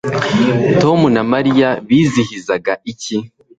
Tom na Mariya bizihizaga iki